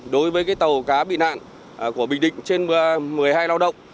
đối với tàu cá bị nạn của bình định trên một mươi hai lao động